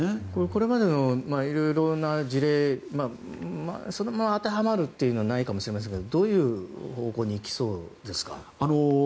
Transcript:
これまでの色々な事例そのまま当てはまるというのはないかもしれませんがどういう方向に行きそうですか？